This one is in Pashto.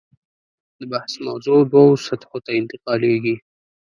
د بحث موضوع دوو سطحو ته انتقالېږي.